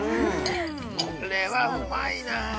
◆これはうまいなあ。